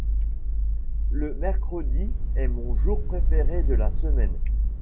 Le mercredi est mon jour préféré de la semaine.